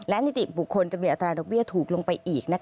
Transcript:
และนิติบุคคลจะมีอัตราดอกเบี้ยถูกลงไปอีก